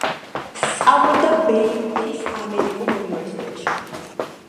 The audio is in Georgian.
სწავლობდა ბეირუთის ამერიკულ უნივერსიტეტში.